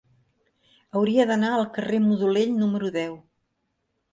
Hauria d'anar al carrer de Modolell número deu.